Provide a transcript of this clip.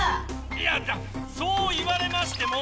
いやそう言われましても。